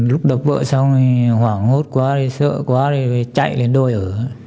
lúc đập vợ xong hoảng hốt quá sợ quá chạy lên đôi ở